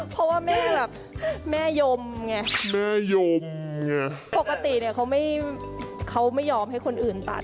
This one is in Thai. เพราะว่าแม่แบบแม่ยมไงแม่ยมปกติเนี่ยเขาไม่เขาไม่ยอมให้คนอื่นตัด